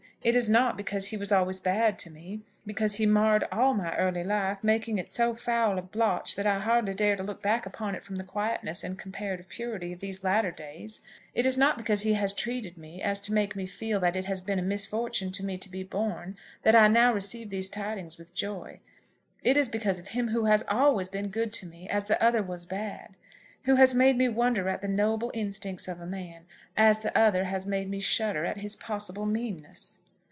It is not because he was always bad to me, because he marred all my early life, making it so foul a blotch that I hardly dare to look back upon it from the quietness and comparative purity of these latter days. It is not because he has so treated me as to make me feel that it has been a misfortune to me to be born, that I now receive these tidings with joy. It is because of him who has always been good to me as the other was bad, who has made me wonder at the noble instincts of a man, as the other has made me shudder at his possible meanness."